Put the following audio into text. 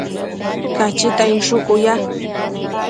Cachita inshucu ya